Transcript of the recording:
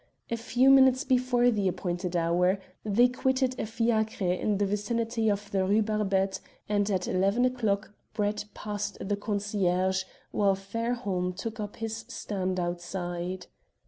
A few minutes before the appointed hour they quitted a fiacre in the vicinity of the Rue Barbette, and at eleven o'clock Brett passed the concierge, whilst Fairholme took up his stand outside.